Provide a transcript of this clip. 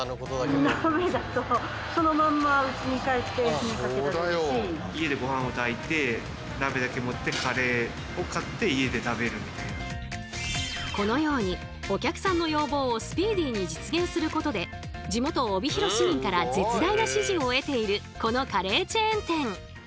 そこでこれをこのようにお客さんの要望をスピーディーに実現することで地元帯広市民から絶大な支持を得ているこのカレーチェーン店。